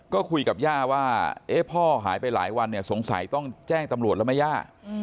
ก็คุยกับย่าว่าพ่อหายไปหลายวันเนี่ยสงสัยต้องแจ้งตำรวจแล้วไหมย่า